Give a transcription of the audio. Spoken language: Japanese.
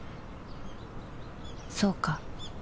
そうか